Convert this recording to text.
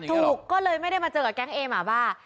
ถูกก็เลยไม่ได้มาเจอกับแก๊งเอหมาบ้า